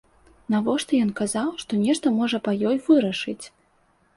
Навошта ён казаў, што нешта можна па ёй вырашыць?